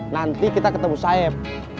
nanti kita ketemu saeb